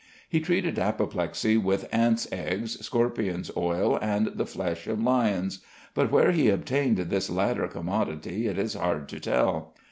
He treated apoplexy with ants' eggs, scorpions' oil, and the flesh of lions; but where he obtained this latter commodity it is hard to tell.